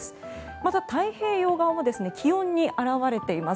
また、太平洋側も気温に表れています。